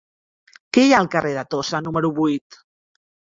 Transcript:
Què hi ha al carrer de Tossa número vuit?